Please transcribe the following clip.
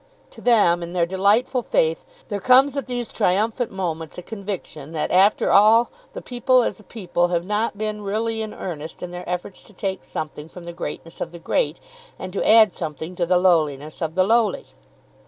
To them, in their delightful faith, there comes at these triumphant moments a conviction that after all the people as a people have not been really in earnest in their efforts to take something from the greatness of the great, and to add something to the lowliness of the lowly.